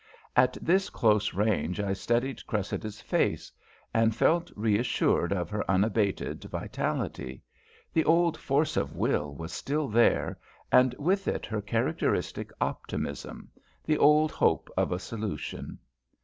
At this close range I studied Cressida's face, and felt reassured of her unabated vitality; the old force of will was still there, and with it her characteristic optimism, the old hope of a "solution."